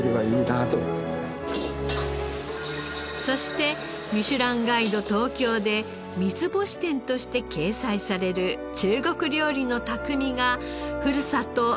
そしてミシュランガイド東京で三つ星店として掲載される中国料理の匠がふるさと